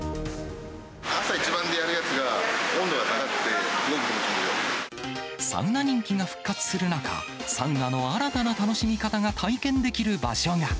朝一番でやるやつが、温度が高くて、サウナ人気が復活する中、サウナの新たな楽しみ方が体験できる場所が。